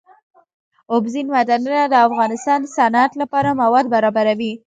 اوبزین معدنونه د افغانستان د صنعت لپاره مواد برابروي.